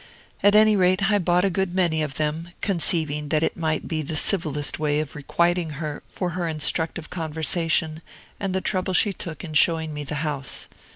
At any rate, I bought a good many of them, conceiving that it might be the civillest way of requiting her for her instructive conversation and the trouble she took in showing me the house.